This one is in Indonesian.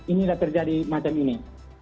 inilah terjadi macam ini